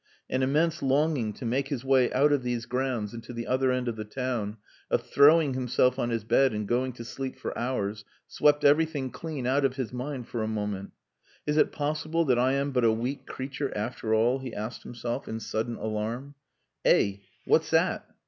An immense longing to make his way out of these grounds and to the other end of the town, of throwing himself on his bed and going to sleep for hours, swept everything clean out of his mind for a moment. "Is it possible that I am but a weak creature after all?" he asked himself, in sudden alarm. "Eh! What's that?"